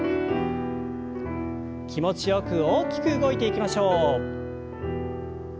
気持ちよく大きく動いていきましょう。